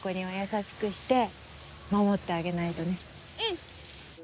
うん。